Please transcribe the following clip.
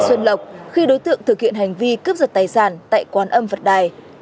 nguyễn thị sơn lọc khi đối tượng thực hiện hành vi cướp giật tài sản tại quán âm phật đài